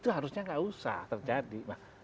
harusnya gak usah terjadi